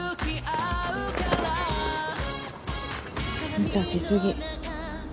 むちゃし過ぎ。